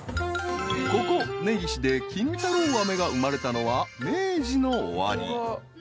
［ここ根岸で金太郎飴が生まれたのは明治の終わり］